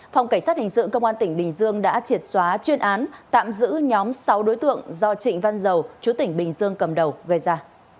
phòng cảnh sát hình sự công an tỉnh bình dương đã triệt xóa chuyên án tạm giữ nhóm sáu đối tượng do trịnh văn dầu chú tỉnh bình dương cầm đầu gây ra